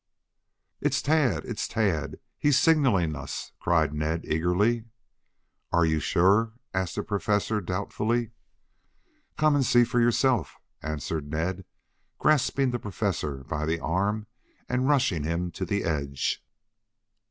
"It's Tad! It's Tad! He's signaling us," cried Ned eagerly. "Are you sure?" asked the Professor doubtfully. "Come and see for yourself," answered Ned, grasping the Professor by the arm and rushing him to the edge.